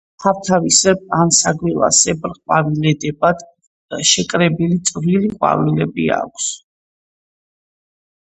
თავთავისებრ ან საგველასებრ ყვავილედებად შეკრებილი წვრილი ყვავილები აქვთ.